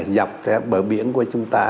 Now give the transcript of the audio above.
dọc bờ biển của chúng ta